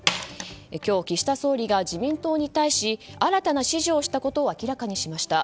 今日、岸田総理が自民党に対し新たな指示をしたことを明らかにしました。